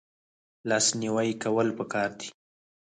لاس نیوی کول پکار دي